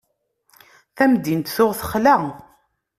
Tamdint tuɣ texla.